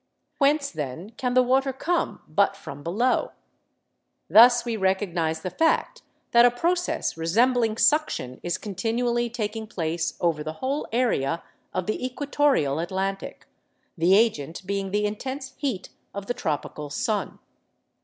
Whence, then, can the water come but from below? Thus we recognise the fact that a process resembling suction is continually taking place over the whole area of the equatorial Atlantic, the agent being the intense heat of the tropical sun.